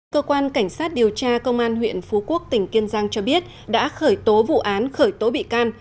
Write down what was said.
cơ quan cảnh sát điều tra công an huyện phú quốc tỉnh kiên giang cho biết đã khởi tố vụ án khởi tố bị can